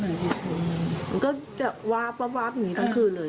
มันก็จะวาบวาบอย่างนี้ทั้งคืนเลย